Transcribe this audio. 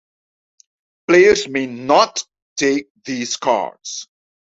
Players may "not" take these cards.